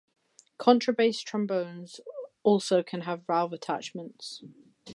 Contrabass trombones also can have valve attachments.